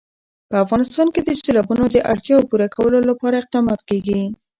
په افغانستان کې د سیلابونه د اړتیاوو پوره کولو لپاره اقدامات کېږي.